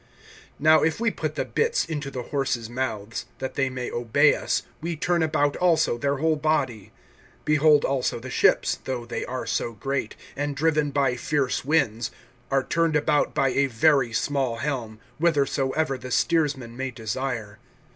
(3)Now if we put the bits into the horses' mouths[3:3], that they may obey us, we turn about also their whole body. (4)Behold also the ships, though they are so great, and driven by fierce winds, are turned about by a very small helm, whithersoever the steersman may desire.